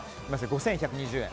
５１２０円。